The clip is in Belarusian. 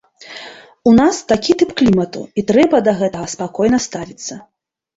У нас такі тып клімату, і трэба да гэтага спакойна ставіцца.